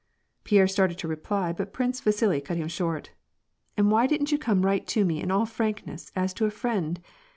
Pierre started to reply, but Prince Vasili cut him short. " And why didn't you come right to me in all frankness, as to a friend